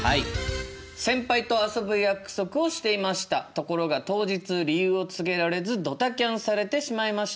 ところが当日理由を告げられずドタキャンされてしまいました。